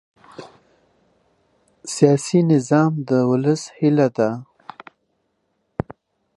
سیاسي نظام د ولس هیله ده